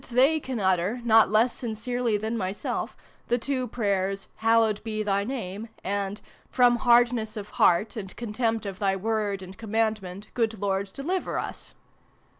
they can utter, not less sincerely than myself, the two prayers, " Hallowed be TJiy Name" and "from hardness of heart, and 'contempt of Thy Word and Commandment, Good Lord, deliver us